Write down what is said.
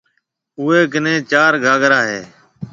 اوَي ڪنَي چار گھاگرا هيَ